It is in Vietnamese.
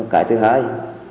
cái thứ hai